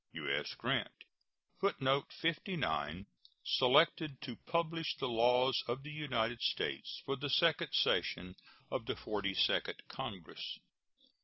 U.S. GRANT. [Footnote 59: Selected to publish the laws of the United States for the second session of the Forty second Congress.